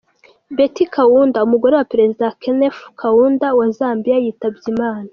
Betty Kaunda, umugore wa perezida Kenneth Kaunda wa Zambia yitabye Imana.